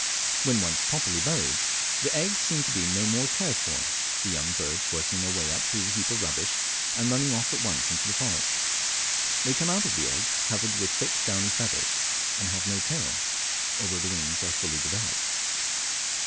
When once properly buried the eggs seem to be no more cared for, the young birds working their way up through the heap of rubbish, and running off at once into the forest. They come out of the egg covered with thick downy feathers, and have no tail, although the wings are full developed.